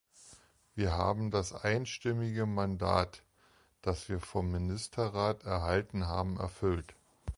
Wir haben das einstimmige Mandat, das wir vom Ministerrat erhalten haben, erfüllt.